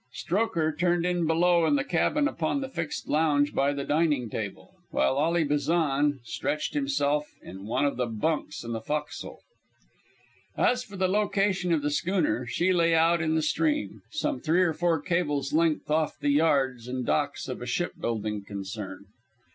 Strokher turned in below in the cabin upon the fixed lounge by the dining table, while Ally Bazan stretched himself in one of the bunks in the fo'c's'le. As for the location of the schooner, she lay out in the stream, some three or four cables' length off the yards and docks of a ship building concern.